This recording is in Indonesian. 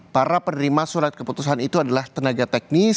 para penerima surat keputusan itu adalah tenaga teknis